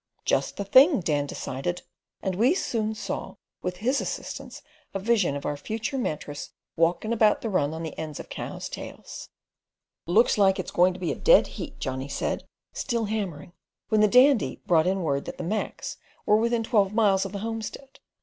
"Just the thing," Dan decided; and we soon saw, with his assistance, a vision of our future mattress walkin' about the run on the ends of cows' tails. "Looks like it's going to be a dead heat," Johnny said, still hammering, when the Dandy brought in word that the Macs were within twelve miles of the homestead.